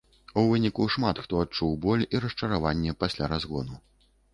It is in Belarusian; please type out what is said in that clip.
У выніку, шмат хто адчуў боль і расчараванне пасля разгону.